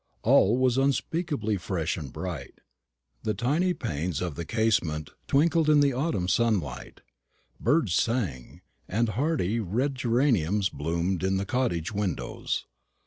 All was unspeakably fresh and bright; the tiny panes of the casement twinkled in the autumn sunlight, birds sang, and hardy red geraniums bloomed in the cottage windows.